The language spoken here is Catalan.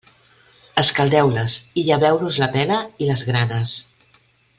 Escaldeu-les i lleveu-los la pela i les granes.